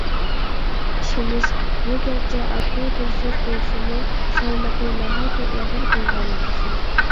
«ئىشىنىش»، بۇ گەرچە ئاددىي بىر سۆز بولسىمۇ، سالمىقى ناھايىتى ئېغىر بولغان بىر سۆز.